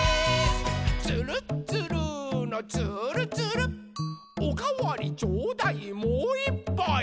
「つるっつるーのつーるつる」「おかわりちょうだいもういっぱい！」